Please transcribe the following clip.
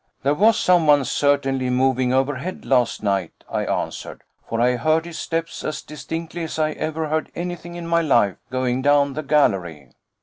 "There was someone certainly moving overhead last night," I answered, "for I heard his steps as distinctly as I ever heard anything in my life, going down the gallery."